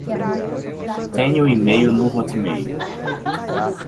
Tenho e-mail no Hotmail